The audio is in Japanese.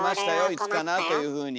いつかなというふうに。